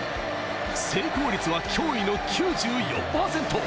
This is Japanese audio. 成功率は驚異の９４％。